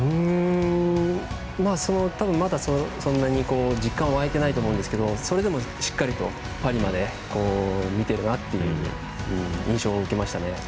多分、まだそんなに実感湧いてないと思うんですけどそれでも、しっかりとパリまで見ているなっていう印象を受けましたね。